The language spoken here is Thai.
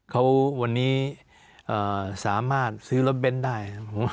เขาวันนี้สามารถซื้อรถเบนได้